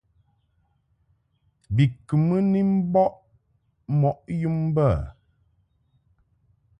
Bo kɨ mɨ ni mbɔʼ mɔʼ yum bə.